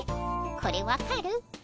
これ分かる？